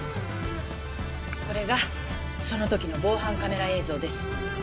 これがその時の防犯カメラ映像です。